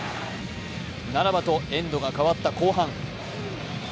ならどはエンドが変わった後半。